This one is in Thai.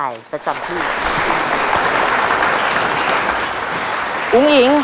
เย็นมากลุ่ม